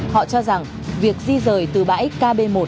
họ cho rằng việc di rời từ bãi kb một